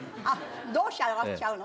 どうしてアガっちゃうの？